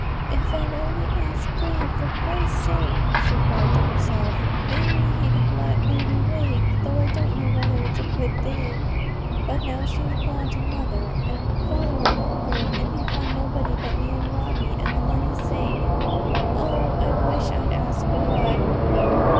'If I'd only asked God, for Christ's sake,' she cried to herself, 'maybe He'd have let baby wake, though I don't know whether it's a good thing. But now she's gone to mother, and father'll come home, and he'll find nobody but me and Robbie, and the money safe. Oh! I wish I'd asked God.'